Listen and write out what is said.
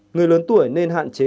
người lớn tuổi nên hạn chế